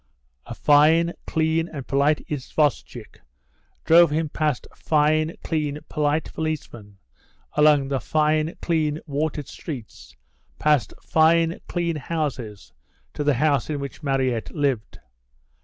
A fine, clean, and polite isvostchik drove him past fine, clean, polite policemen, along the fine, clean, watered streets, past fine, clean houses to the house in which Mariette lived.